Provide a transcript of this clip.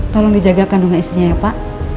tolong dijaga kandungan istrinya ya pak